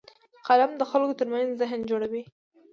قلم د خلکو ترمنځ ذهن جوړوي